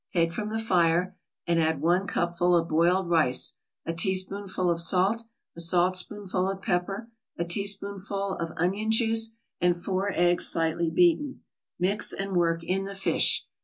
Take from the fire, and add one cupful of boiled rice, a teaspoonful of salt, a saltspoonful of pepper, a teaspoonful of onion juice, and four eggs slightly beaten. Mix and work in the fish.